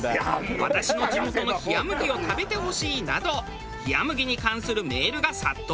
「私の地元の冷麦を食べてほしい」など冷麦に関するメールが殺到！